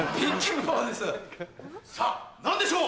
さぁ何でしょう？